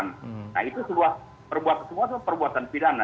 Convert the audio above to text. nah itu sebuah perbuatan pidana